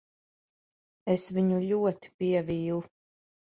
Es viņu ļoti pievīlu.